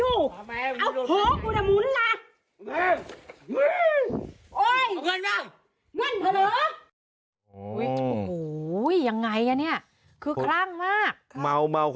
โหยังไงอะเนี่ยคือพรั่งมาก